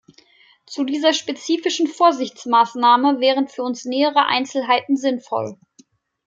Zu dieser spezifischen Vorsichtsmaßnahme wären für uns nähere Einzelheiten sinnvoll.